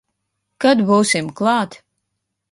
Kad būsim klāt?